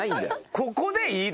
ここでいいの？